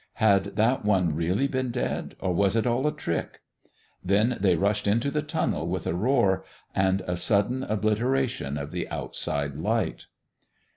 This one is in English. Had that one really been dead, or was it all a trick? Then they rushed into the tunnel with a roar and a sudden obliteration of the outside light.